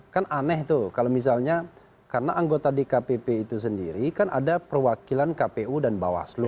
kan aneh tuh kalau misalnya karena anggota dkpp itu sendiri kan ada perwakilan kpu dan bawaslu